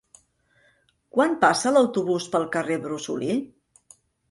Quan passa l'autobús pel carrer Brosolí?